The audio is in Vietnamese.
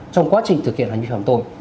trong quá trình thực hiện hành vi trộm tội